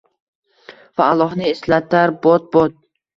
va Аllohni eslatar bot-bot.